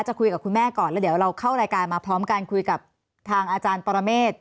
จะคุยกับคุณแม่ก่อนแล้วเดี๋ยวเราเข้ารายการมาพร้อมกันคุยกับทางอาจารย์ปรเมฆ